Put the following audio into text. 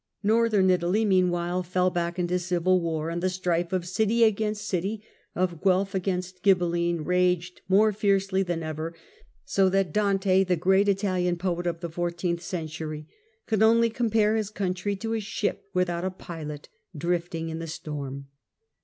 Northern Italy, meanwhile, fell back into civil war, and the strife of city against city, of Guelf against Ghibeline, raged more fiercely than ever, so that Dante, the great Italian poet of the fourteenth century, could only compare his country to a ship without a pilot, drifting in the storm.